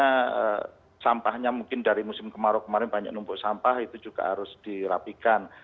karena sampahnya mungkin dari musim kemarau kemarin banyak numpuk sampah itu juga harus dirapikan